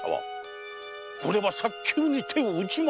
これは早急に手を打ちませぬと！